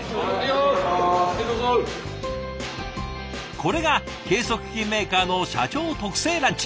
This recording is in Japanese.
これが計測器メーカーの社長特製ランチ。